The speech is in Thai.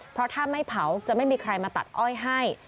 เพราะถ้าไม่เผาจะไม่มีใครมาตัดอ้อยให้